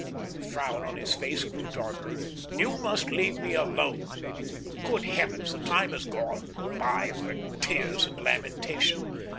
The frown on his face grew darker. "You must leave me alone. Good Heavens, the time has gone by for tears and lamentation.